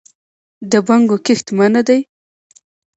د بنګو کښت منع دی؟